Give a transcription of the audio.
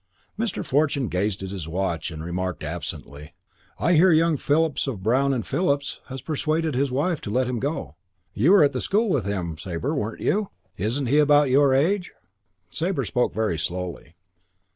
Mr. Fortune gazed at his watch and remarked absently, "I hear young Phillips of Brown and Phillips has persuaded his wife to let him go. You were at the school with him, Sabre, weren't you? Isn't he about your age?" Sabre spoke very slowly.